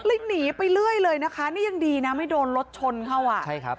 เลยหนีไปเรื่อยเลยนะคะนี่ยังดีนะไม่โดนรถชนเข้า